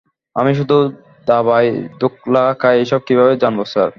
আমি শুধু ধাবায় ধোকলা খাই, এসব কিভাবে জানবো, স্যার।